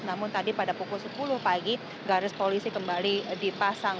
namun tadi pada pukul sepuluh pagi garis polisi kembali dipasang